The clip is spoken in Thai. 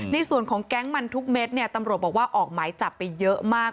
ในส่วนของแก๊งมันทุกเม็ดเนี่ยตำรวจบอกว่าออกหมายจับไปเยอะมาก